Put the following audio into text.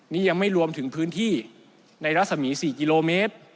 นี่ยังไม่รวมถึงพื้นที่ในรัศมี๔กิโลเมตร